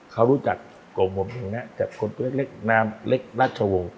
เขารู้จักโกงผมเองนะจากคนเล็กน้ำเล็กราชวงศ์